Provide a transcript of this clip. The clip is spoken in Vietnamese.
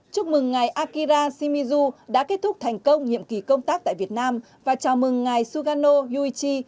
chúc mừng ngài akira shimizu đã kết thúc thành công nhiệm kỳ công tác tại việt nam và chào mừng ngài sugano yuichi